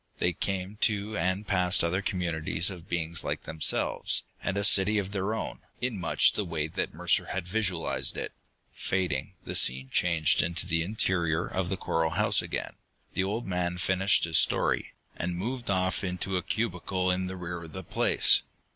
They came to and passed other communities of beings like themselves, and a city of their own, in much the way that Mercer had visualized it. Fading, the scene changed to the interior of the coral house again. The old man finished his story, and moved off into a cubicle in the rear of the place.